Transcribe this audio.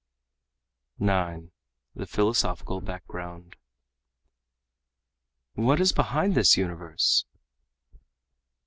9. The Philosophical Background "What is behind this universe!"